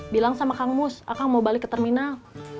bilang sama kang mus akang mau balik ke terminal